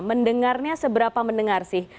mendengarnya seberapa mendengar sih